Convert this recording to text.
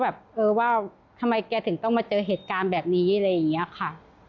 เออว่าทำไมแกถึงต้องมาเจอเหตุการณ์แบบนี้อะไรอย่างนี้ค่ะ